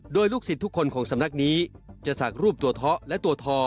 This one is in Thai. โดยลูกศิษย์ทุกคนของสำนักนี้จะศักดิ์รูปตัวท้อและตัวทอ